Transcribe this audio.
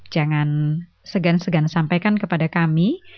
jangan segan segan sampaikan kepada kami